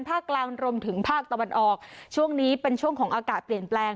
กลางรวมถึงภาคตะวันออกช่วงนี้เป็นช่วงของอากาศเปลี่ยนแปลง